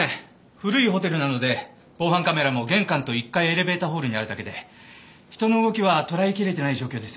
古いホテルなので防犯カメラも玄関と１階エレベーターホールにあるだけで人の動きはとらえ切れてない状況です。